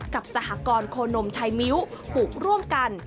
สหกรณ์โคนมไทยมิ้วปลูกร่วมกัน